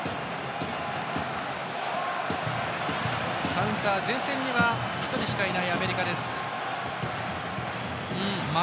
カウンター、前線には１人しかいないアメリカです。